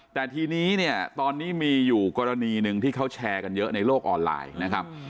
แต่ทีนี้เนี่ยตอนนี้มีอยู่กรณีหนึ่งที่เขาแชร์กันเยอะในโลกออนไลน์นะครับ